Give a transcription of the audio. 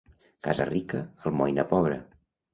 Casa rica, almoina pobra.